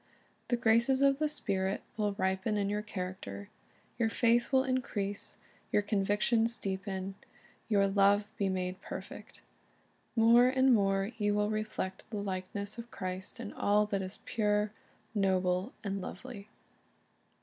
The graces of the Spirit will ripen in your character. Your faith will increase, your convictions deepen, your love be made perfect. More and more you will reflect the likeness of Christ in all that is pure, noble, and lovely.